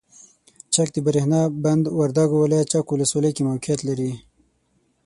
چک دبریښنا بند وردګو ولایت چک ولسوالۍ کې موقعیت لري.